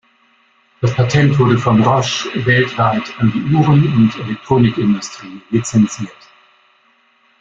Das Patent wurde von Roche weltweit an die Uhren- und Elektronikindustrie lizenziert.